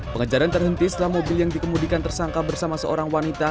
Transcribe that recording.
pengejaran terhenti setelah mobil yang dikemudikan tersangka bersama seorang wanita